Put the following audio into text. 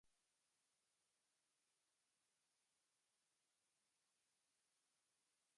Hijo de Charles Bosworth Thurston de Kew, Londres.